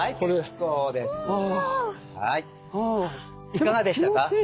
いかがでしたか。